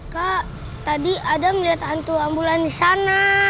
kak tadi adam liat hantu ambulan disana